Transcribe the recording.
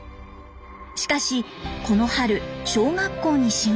しかしこの春小学校に進学。